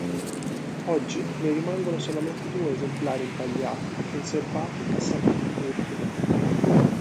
Oggi ne rimangono solamente due esemplari impagliati, conservati a San Pietroburgo.